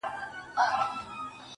په نغري ناستې ډوډۍ به وهي پلنې